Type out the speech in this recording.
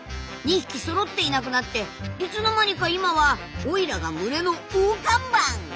２匹そろっていなくなっていつの間にか今はオイラが群れの大看板！なんてね。